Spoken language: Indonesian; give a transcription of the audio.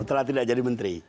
setelah tidak jadi menteri